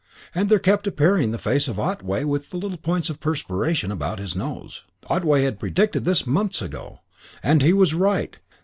And there kept appearing the face of Otway with the little points of perspiration about his nose. Otway had predicted this months ago. And he was right.